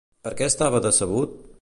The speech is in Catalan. Per què estava decebut?